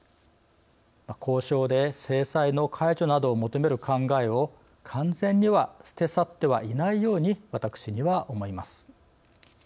交渉で制裁の解除などを求める考えを完全には捨て去ってはいないように私には思えます。